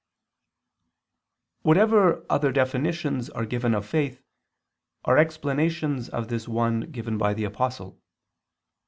Whatever other definitions are given of faith, are explanations of this one given by the Apostle.